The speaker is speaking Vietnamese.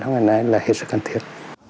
trong ngày nay là hết sức cần thiết